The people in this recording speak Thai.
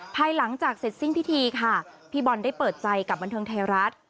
ภายหลังจากเสร็จสิ้นพิธีค่ะพี่บอลได้เปิดใจกับบันเทิงไทยรัฐ